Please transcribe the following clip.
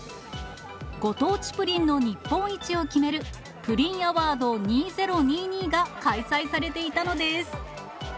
ご当地プリンの日本一を決める、プリンアワード２０２２が開催されていたのです。